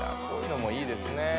こういうのもいいですね。